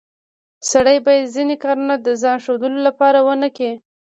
سړی باید ځینې کارونه د ځان ښودلو لپاره ونه کړي